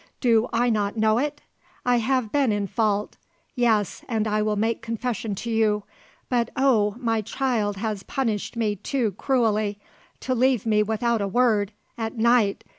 "Do I not know it? I have been in fault; yes; and I will make confession to you. But oh! my child has punished me too cruelly. To leave me without a word! At night!